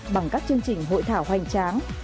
bằng các chương trình hội thảo hoành tráng